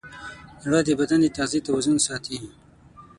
زړه د بدن د تغذیې توازن ساتي.